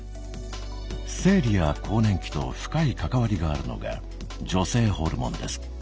生理や更年期と深い関わりがあるのが女性ホルモンです。